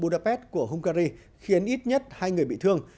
the pet của hungary khiến ít nhất hai người bị thương